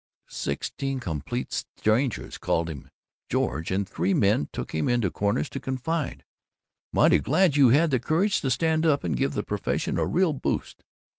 Sixteen complete strangers called him "George," and three men took him into corners to confide, "Mighty glad you had the courage to stand up and give the Profession a real boost.